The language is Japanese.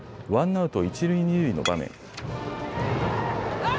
ワンアウト一塁二塁の場面。